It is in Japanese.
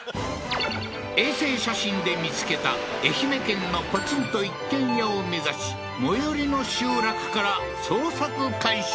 衛星写真で見つけた愛媛県のポツンと一軒家を目指し最寄りの集落から捜索開始